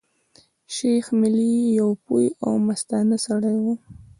شېخ ملي يو پوه او مستانه سړی وو.